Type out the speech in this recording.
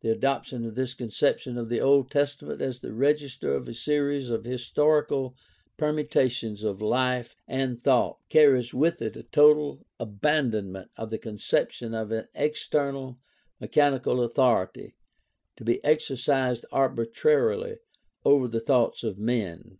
The adoption of this conception of the Old Testament as the register of a series of historical permutations of life and thought carries with it a total abandoment of the conception of an external, mechanical authority to be exercised arbitrarily over the thoughts of men.